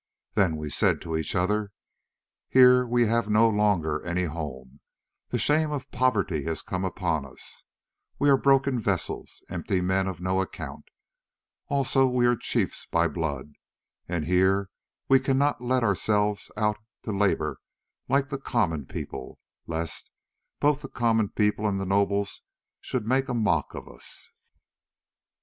Then we said to each other, 'Here we have no longer any home, the shame of poverty has come upon us, we are broken vessels, empty men of no account; also we are chiefs by blood, and here we cannot let ourselves out to labour like the common people, lest both the common people and the nobles should make a mock of us.